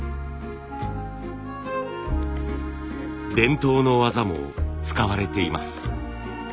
伝統の技も使われています。